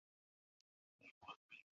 咸丰元年署国子监司业。